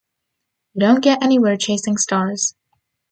You don't get anywhere chasing stars.